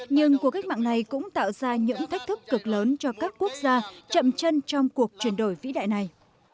nhưng cuộc cách mạng này cũng tạo ra những thách thức cực lớn cho các quốc gia chậm chân trong cuộc chuyển đổi vĩ đại này